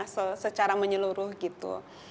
secara menyeluruh gitu